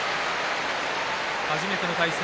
初めての対戦。